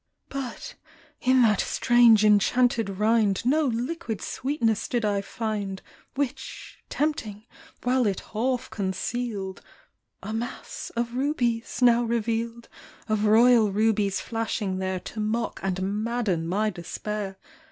But in that strange enchanted rind No liquid sweetness did I find. Which (tempting, while it half concealed) A mass of rubies now revealed, — Of royal rubies, flashing there To mock, and madden my despair.